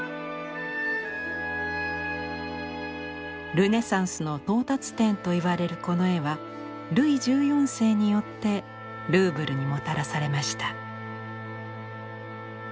ルネサンスの到達点といわれるこの絵はルイ１４世によってルーブルにもたらされました。